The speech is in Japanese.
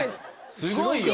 すごいよ。